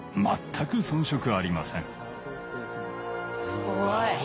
すごい。